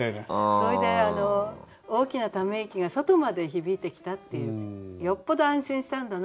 それで「大きなため息が外まで響いてきた」っていうよっぽど安心したんだなっていう歌ですよね。